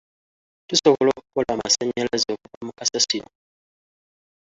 Tusobola okukola amasannyalaze okuva mu kasasiro.